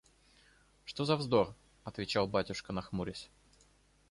– Что за вздор! – отвечал батюшка нахмурясь.